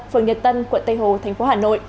vườn hoa nhật tân quận tây hồ thành phố hà nội